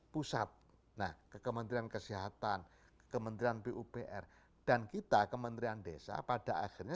pusat nah ke kementerian kesehatan kementerian pupr dan kita kementerian desa pada akhirnya